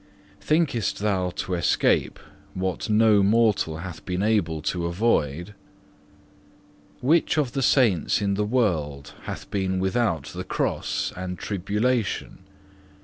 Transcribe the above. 6. Thinketh thou to escape what no mortal hath been able to avoid? Which of the saints in the world hath been without the cross and tribulation?